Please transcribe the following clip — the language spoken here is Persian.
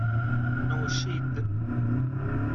نوشید